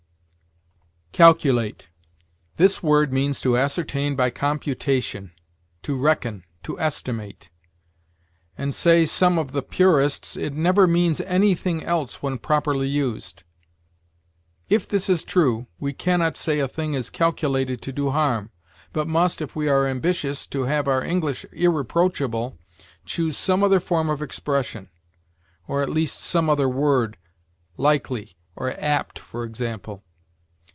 CALCULATE. This word means to ascertain by computation, to reckon, to estimate; and, say some of the purists, it never means anything else when properly used. If this is true, we can not say a thing is calculated to do harm, but must, if we are ambitious to have our English irreproachable, choose some other form of expression, or at least some other word, likely or apt, for example.